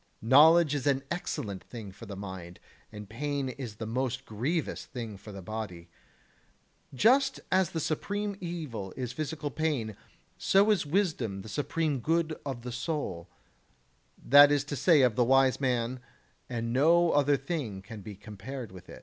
Knowledge is an excellent thing for the mind, and pain is the most grievous thing for the body. Just as the supreme evil is physical pain, so is wisdom the supreme good of the soul, that is to say of the wise man, and no other thing can be compared with it.